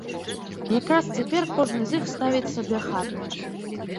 Якраз цяпер кожны з іх ставіць сабе хату.